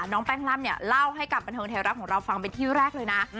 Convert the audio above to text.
แป้งล่ำเนี่ยเล่าให้กับบันเทิงไทยรัฐของเราฟังเป็นที่แรกเลยนะ